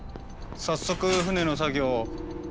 早速船の作業を。